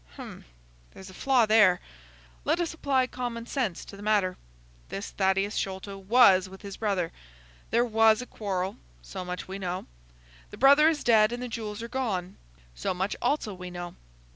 "Hum! There's a flaw there. Let us apply common sense to the matter. This Thaddeus Sholto was with his brother; there was a quarrel; so much we know. The brother is dead and the jewels are gone. So much also we know.